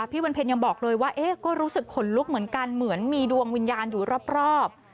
วันเพ็ญยังบอกเลยว่าก็รู้สึกขนลุกเหมือนกันเหมือนมีดวงวิญญาณอยู่รอบ